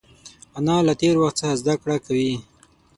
انا له تېر وخت څخه زده کړه کوي